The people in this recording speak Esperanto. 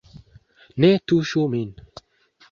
Ne tuŝu min.